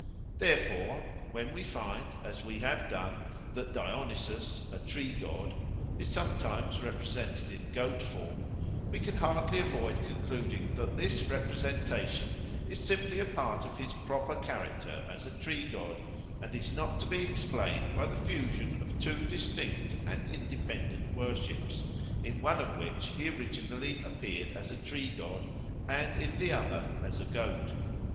Therefore when we find, as we have done, that Dionysus a tree god is sometimes represented in goat form, we can hardly avoid concluding that this representation is simply a part of his proper character as a tree god and is not to be explained by the fusion of two distinct and independent worships, in one of which he originally appeared as a tree god and in the other as a goat.